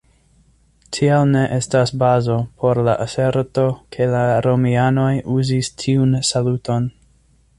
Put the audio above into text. Tial ne estas bazo por la aserto ke la romianoj uzis tiun saluton.